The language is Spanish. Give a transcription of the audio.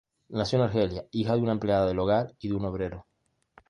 Nació en Argelia, hija de una empleada del hogar y de un obrero.